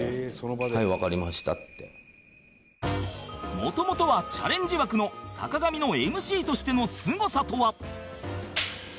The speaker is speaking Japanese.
もともとはチャレンジ枠の坂上の ＭＣ としてのすごさとは？